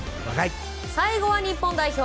最後は日本代表。